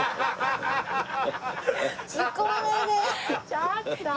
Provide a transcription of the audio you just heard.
ちょっと！